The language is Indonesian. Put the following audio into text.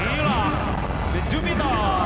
inilah the jupiter